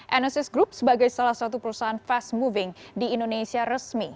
enosis group sebagai salah satu perusahaan fast moving di indonesia resmi